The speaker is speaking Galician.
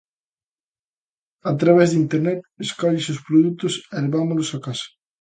A través de Internet escolles os produtos e levámolos á casa.